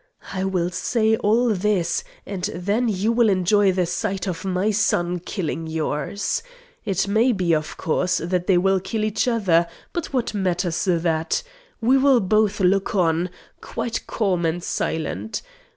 I will say all this, and then you will enjoy the sight of my son killing yours. It may be, of course, that they will kill each other. But what matters that? We will both look on, quite calm and silent.